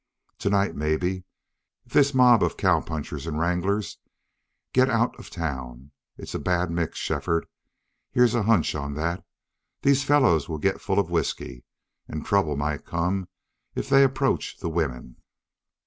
"To night, maybe, if this mob of cow punchers and wranglers get out of town.... It's a bad mix, Shefford, here's a hunch on that. These fellows will get full of whisky. And trouble might come if they approach the women."